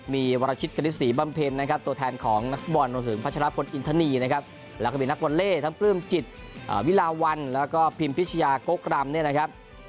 มีวรชิตกฤษศรีบำเพ็ญตัวแทนของนักบอลรวมถึงพระชนัพพลอินทานีและก็มีนักบอลเล่ทั้งกลืมจิตวิลาวันและก็พิมพิชยาโก๊กรำ